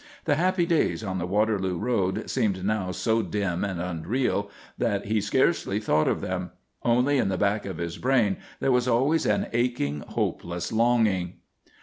The happy days on the Waterloo Road seemed now so dim and unreal that he scarcely thought of them; only in the back of his brain there was always an aching, hopeless longing.